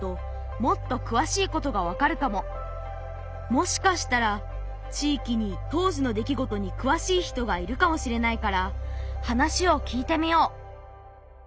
もしかしたら地域に当時の出来事にくわしい人がいるかもしれないから話を聞いてみよう。